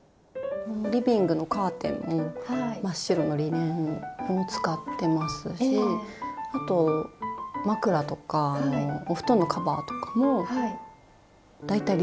リビングのカーテンも真っ白のリネンを使ってますしあと枕とかお布団のカバーとかも大体リネンですね。